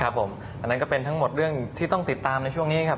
อันนั้นก็เป็นทั้งหมดเรื่องที่ต้องติดตามในช่วงนี้ครับ